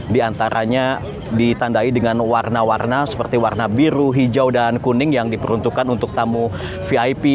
di antaranya ditandai dengan warna warna seperti warna biru hijau dan kuning yang diperuntukkan untuk tamu vip